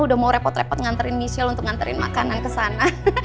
udah mau repot repot ngantarin michelle untuk ngantarin makanan ke sana